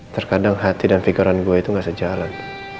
terkadang hati dan pikiran gue itu gak sejalan